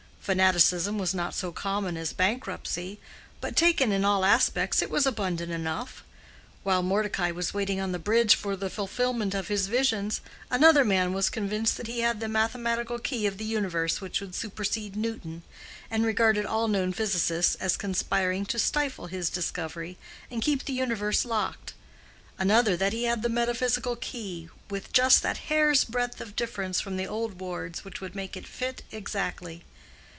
Fanaticism was not so common as bankruptcy, but taken in all its aspects it was abundant enough. While Mordecai was waiting on the bridge for the fulfillment of his visions, another man was convinced that he had the mathematical key of the universe which would supersede Newton, and regarded all known physicists as conspiring to stifle his discovery and keep the universe locked; another, that he had the metaphysical key, with just that hair's breadth of difference from the old wards which would make it fit exactly.